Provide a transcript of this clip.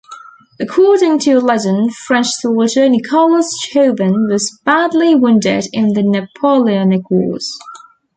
According to legend, French soldier Nicolas Chauvin was badly wounded in the Napoleonic wars.